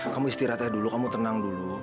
kamu istirahatnya dulu kamu tenang dulu